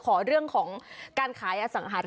ไปสองครั้งค่ะ